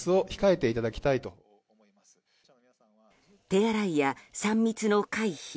手洗いや３密の回避